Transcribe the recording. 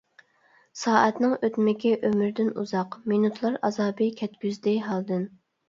سائەتنىڭ ئۆتمىكى ئۆمۈردىن ئۇزاق، مىنۇتلار ئازابى كەتكۈزدى ھالدىن.